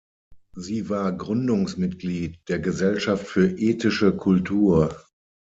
Sie war Gründungsmitglied der "Gesellschaft für Ethische Kultur".